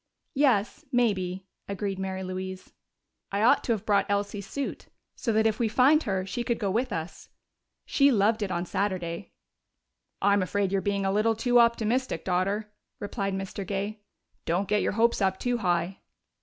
"Yes, maybe," agreed Mary Louise. "I ought to have brought Elsie's suit, so that if we find her she could go with us. She loved it on Saturday." "I'm afraid you're being a little too optimistic, Daughter," replied Mr. Gay. "Don't get your hopes up too high."